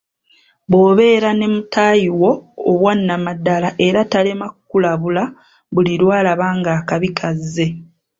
Bw'obeera ne mutaayi wo owannamaddala era talema kukulabula buli lwalaba nga akabi kazze.